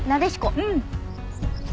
うん！